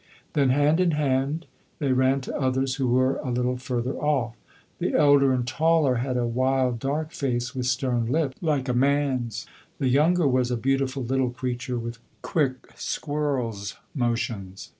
Then hand in hand they ran to others who were a little further off. The elder and taller had a wild dark face with stern lips, like a man's; the younger was a beautiful little creature with quick, squirrel's motions.